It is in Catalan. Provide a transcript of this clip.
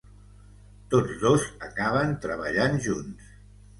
Tots dos acaben treballant junts.